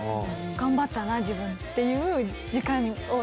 頑張ったな自分っていう時間を。